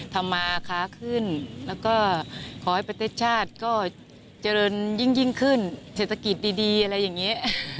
ทำมาค้าขึ้นแล้วก็ขอให้ประเทศชาติก็เจริญยิ่งขึ้นเศรษฐกิจดีอะไรอย่างนี้